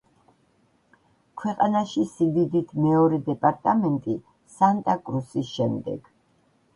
ქვეყანაში სიდიდით მეორე დეპარტამენტი, სანტა-კრუსის შემდეგ.